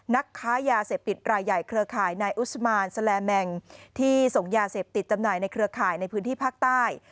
นักค้ายาเสพติดรายใหญ่เครือข่ายนายอุสมานแสลแมงที่ส่งยาเสพติดจำหน่ายในเครือข่ายในพื้นที่ภาคใต้